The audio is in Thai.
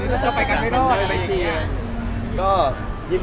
พี่พอร์ตทานสาวใหม่พี่พอร์ตทานสาวใหม่